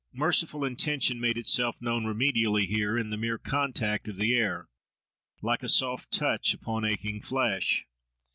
Merciful intention made itself known remedially here, in the mere contact of the air, like a soft touch upon aching flesh.